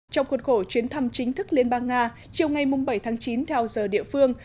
trong khuôn khổ chuyến thăm chính thức liên bang nga chiều ngày bảy tháng chín theo giờ địa phương